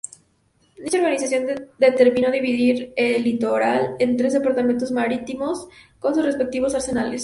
Dicha organización determinó dividir el litoral en tres departamentos marítimos con sus respectivos arsenales.